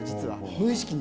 無意識に。